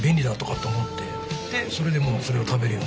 でそれでもうそれを食べるように。